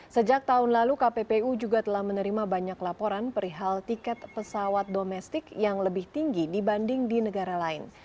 sejak tahun lalu kppu juga telah menerima banyak laporan perihal tiket pesawat domestik yang lebih tinggi dibanding di negara lain